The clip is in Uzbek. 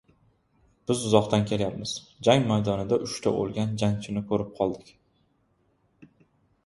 Biz uzoqdan kelyapmiz, jang maydonida uchta o‘lgan jangchini ko‘rib qoldik